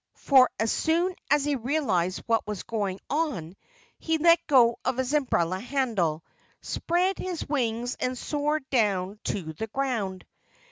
For as soon as he realized what was going on he let go of his umbrella handle, spread his wings, and soared down to the ground.